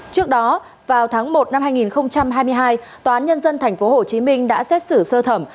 trước đó vào tháng một năm hai nghìn hai mươi hai tòa án nhân dân tp hcm đã xét xử sơ thẩm